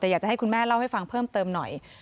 แต่อยากจะให้คุณแม่เล่าให้ฟังเพิ่มเติมหน่อย